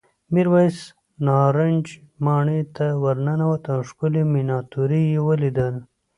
میرويس نارنج ماڼۍ ته ورننوت او ښکلې مېناتوري یې ولیدل.